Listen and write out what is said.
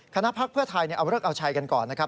พักเพื่อไทยเอาเลิกเอาชัยกันก่อนนะครับ